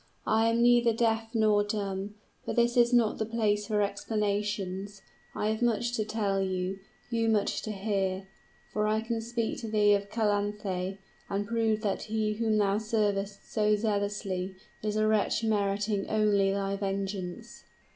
I am neither deaf nor dumb. But this is not the place for explanations. I have much to tell, you much to hear for I can speak to thee of Calanthe, and prove that he whom thou servest so zealously is a wretch meriting only thy vengeance."